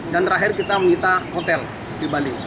dan terakhir kita mengita hotel di bali